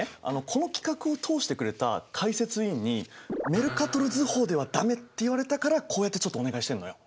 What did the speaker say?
この企画を通してくれた解説委員に「メルカトル図法ではダメ！」って言われたからこうやってちょっとお願いしてんのよ。